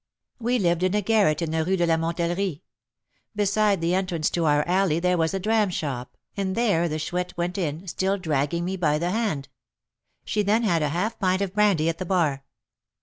"We lived in a garret in the Rue de la Montellerie; beside the entrance to our alley there was a dram shop, and there the Chouette went in, still dragging me by the hand. She then had a half pint of brandy at the bar."